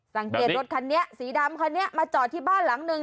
สังเกตรถคันนี้สีดำคันนี้มาจอดที่บ้านหลังหนึ่ง